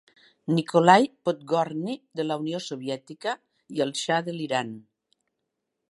Nikolai Podgorni de la unió Soviètica i el xa de l'Iran.